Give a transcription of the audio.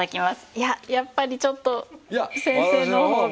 いややっぱりちょっと先生の方が素敵。